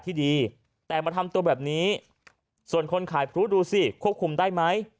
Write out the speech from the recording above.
ที่ดีแต่มาทำตัวแบบนี้ส่วนคนขายพลุดูสิควบคุมได้ไหม